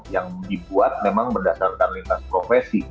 yang dibuat memang berdasarkan lintas profesi